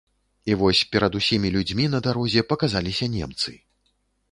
І вось перад усімі людзьмі на дарозе паказаліся немцы.